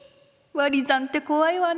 わり算ってこわいわね。